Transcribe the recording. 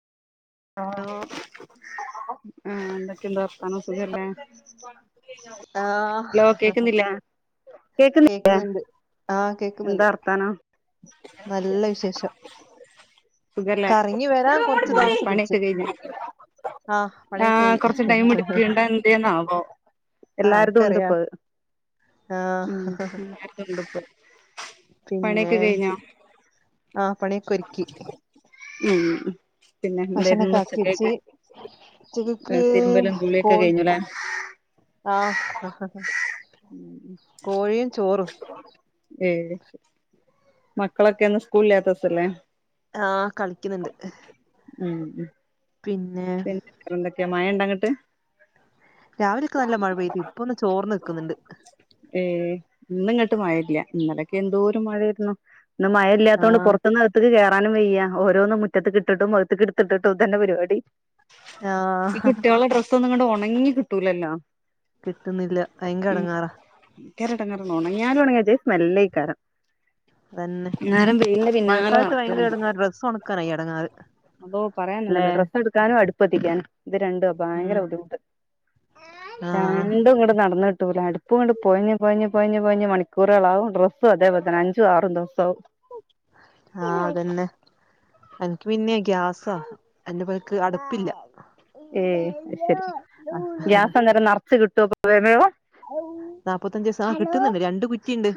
ആ ലോ എന്തൊക്കെയ എന്താ വർത്താനോ സുഖല്ലേ ആഹ് ഹലോ കേക്കുന്നില്ല കേക്കുന്ന കേക്ക്ണ്ട് ആഹ് കേക്കുന്നുണ്ട് വർത്താനം നല്ല വിശേഷം സുഖല്ലേ കറങ്ങി വരാൻ കൊറച്ച് താമസം പിടിച്ച് പണിയൊക്കെ കഴിഞ്ഞോ ആഹ് പണിയൊക്കെ ആഹ കഴിഞ്ഞ് കൊറച്ച ടൈം പിടിപ്പണ്ട എന്ത്ന്നാവോ എല്ലാടത്തും ഉണ്ട് ആർക്കറിയാ ഇപ്പോ ആഹ് ഉ എല്ലും ഉണ്ട്പ്പോ പിന്നെ ആ പണിയൊക്കെ ഒരുക്കി ഉം പിന്നെ എന്ത ഭക്ഷണൊക്കെ ആക്കി വെച്ച് ഉച്ചക്കേക്ക് ഉച്ചക്കക്ക് തിരുമ്പല്ലാം ഗുള്ളിയൊക്കെ കോൾ കഴിഞ്ഞലെ ആഹ് കോഴിയും ചോറും ഏഹ് ശരി മക്കളൊക്കെ ഒന്ന് സ്കൂളിലാത്തസല്ലേ ആഹ് കളിക്കുന്നുണ്ട് ഉം ഉം പിന്നെ എന്തൊക്കെയ മഴ ഉണ്ടാങ്ങിട്ട് രാവിലെയൊക്കെ നല്ല മഴ പെയ്തു ഇപ്പൊന്നന്ന് ചോർന്ന് നിക്കുന്നുണ്ട് ഏഹ് ഇന്ന ഇങ്ങോട്ട് മഴല്ല ഇന്നലൊക്കെ എന്തോരം മഴായിരുന്നു ഇന്ന് മ ഇല്ലാത്തുകൊണ്ട് ആഹ് പുറത്തനിന്ന് അടുത്തക്ക് കയറാനും വയ്യ ഓരോന്നന്ന് മുറ്റത്ത് കട്ടിട്ടും മകത്തക്ക എടുത്തിട്ടും ഇ തന്നെ പരിപാടി ഈ ആഹ് കുട്ടിയോള്ള ഡ്രസ്സ് ഒന്നും ഇങ്ങണ്ട് ഉണങ്ങി കിട്ടൂലല്ലോ കിട്ടുന്നില്ല ഭയങ്കര എടങ്ങേറാ ങ്കരെടെങ്ങേറാ ഒണങ്യാലും ഉണങ്ങ്യാ ഒര്ജായി സ്മെല്ലേകാരം തന്നെ. പിന്നാലെ മഴക്കാലത്ത് ഭയങ്കര നടക്കാണ് ഇടങ്ങാറ് ഡ്രസ്സൊണക്കാനാ ഈ എടങ്ങാറ്. അതോ പറയാനന്നല്ലോ ഡ്രസ്സ് എടുക്കാനും അടുപ്പത്തിക്കാനും ഇത് രണ്ടു ഉം ഭയങ്കര ബുദ്ധിമുട്ട്. ആഹ് രണ്ടും ഇങ്ങടെ നടന്നിട്ടൂല അട് പ്പുങ്ങണ്ട് പൊയഞ്ഞ് പൊയഞ്ഞ് പോയിഞ് പോയിഞ് മണിക്കൂറുകളാവും ഡ്രസ്സും അതേപോൽ തന്നെ അഞ്ച് ആറും ദവസാവും. ആഹ് അതന്നെ. എനിക്ക് പിന്നെ ഗ്യാസാ എന്റെ പൊരക്ക് അടുപ്പില്ല. ഏയ് അഹ് ശരി. ഗ്യാസ് അന്നേരം നറച്ച് കിട്ടുവോ വേം വേയം നാപത്തഞ്ചീസം ആഹ് കിട്ടുന്നുണ്ട് രണ്ട് കുറ്റിണ്ട്.